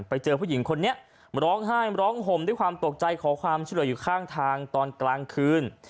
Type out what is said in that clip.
ไปเจอผู้หญิงคนนี้ร้องไห้ร้องห่มด้วยความตกใจขอความช่วยเหลืออยู่ข้างทางตอนกลางคืน